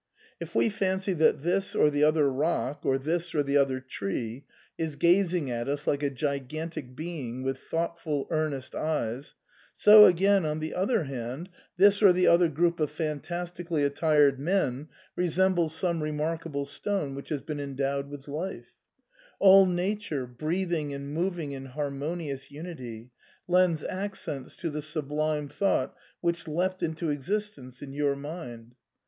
If we fancy that this or the other rock or this or the other tree is gazing at us like a gigantic being with thoughtful earnest eyes, so again, on the other hand, this or the other group of fantastically attired men resembles some remarkable stone which has been endowed with life ; all Nature, breathing and moving in harmonious unity, lends accents to the sublime thought which leapt into existence in your mind.